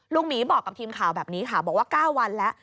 หมีบอกกับทีมข่าวแบบนี้ค่ะบอกว่า๙วันแล้ว